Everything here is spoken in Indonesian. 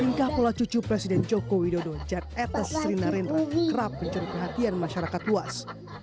tingkah pola cucu presiden jokowi dodo jan etes rinarendra kerap mencuri perhatian masyarakat luas